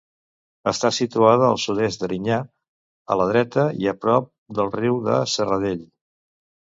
Està situada al sud-est d'Erinyà, a la dreta i a prop del riu de Serradell.